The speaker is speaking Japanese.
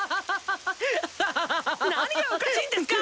何がおかしいんですか！